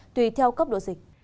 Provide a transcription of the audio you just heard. tùy theo cấp độ dịch